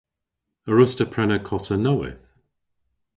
A wruss'ta prena kota nowydh?